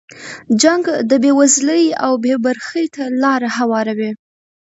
جنګ د بې وزلۍ او بې برخې ته لاره هواروي.